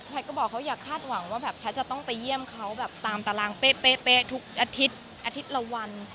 ก็บอกเขาอย่าคาดหวังว่าแบบแพทย์จะต้องไปเยี่ยมเขาแบบตามตารางเป๊ะทุกอาทิตย์อาทิตย์ละวัน